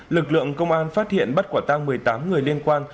lực lượng công an phát hiện bắt quả tang một mươi tám người liên quan